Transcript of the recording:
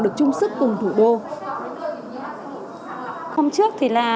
được chung sức cùng thủ đô